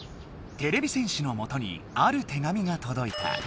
てれび戦士のもとにある手紙が届いた。